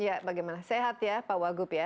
ya bagaimana sehat ya pak wagub ya